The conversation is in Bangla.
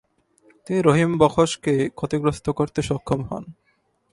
তিনি রহিম বখশকে ক্ষতিগ্রস্ত করতে সক্ষম হন।